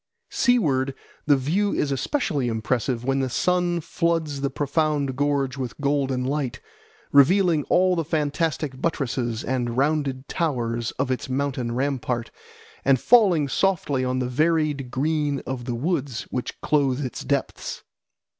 Seaward the view is especially impressive when the sun floods the profound gorge with golden light, revealing all the fantastic buttresses and rounded towers of its mountain rampart, and falling softly on the varied green of the woods which clothe its depths.